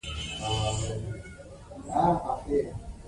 نوټ: عکس کي د کندهار ښار د ديارلسمي ناحيې